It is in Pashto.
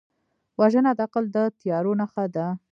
وژنه د عقل د تیارو نښه ده